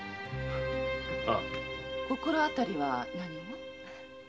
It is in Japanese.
心当たりは何も？